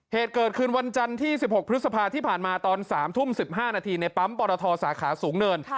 เหตุเกิดคืนวันจันทร์ที่สิบหกพฤษภาษณ์ที่ผ่านมาตอนสามทุ่มสิบห้านาทีในปั๊มปรทอสาขาสูงเนิน